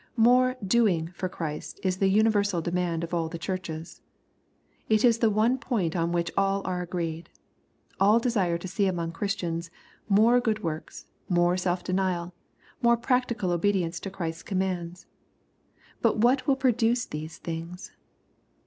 More *^ doing" for Christ is the universal demand of all the Churches. It is the one point on which all are agreed. All desire to see among Christians, more good works, more self denial, more practical obedience to Christ's commands. But what will produce these things